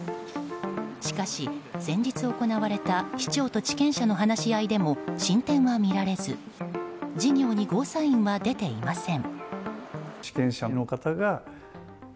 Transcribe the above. しかし、先日行われた市長と地権者の話し合いでも進展は見られず事業にゴーサインは出ていません。